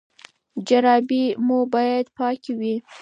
جرابې مو باید پاکې وي.